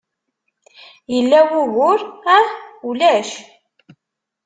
Yella wugur? Ah? Ulac.